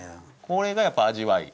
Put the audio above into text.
これがやっぱ味わい。